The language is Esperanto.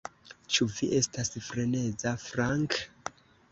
Ĉu vi estas freneza, Frank?